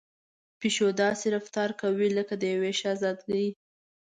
پيشو داسې رفتار کوي لکه د يوې شهزادګۍ.